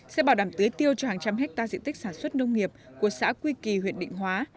sẽ bảo đảm tưới tiêu cho hàng trăm hectare diện tích sản xuất nông nghiệp của xã quy kỳ huyện định hóa